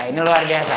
ini luar biasa